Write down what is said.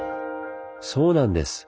そうなんです。